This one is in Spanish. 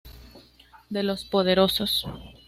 De los poderosos.